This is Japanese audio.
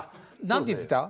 何て言ってた？